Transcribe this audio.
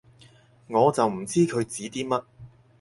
我就唔知佢指啲乜